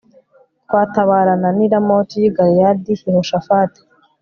twatabarana n i ramoti y i galeyadi yehoshafati